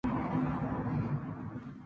La región está relativamente despoblada.